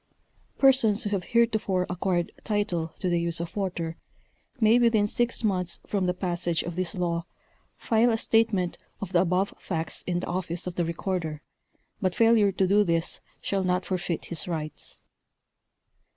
Persons who have heretofore acquired title to the use of water, may within six months from the passage of this law file a state ment of the above facts in the office of the recorder, but failure to do this shall not forfeit his rights.